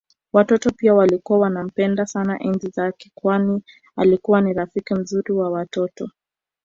Watoto pia walikuwa wanampenda sana enzi zake kwani alikuwa ni rafiki mzuri wa watoto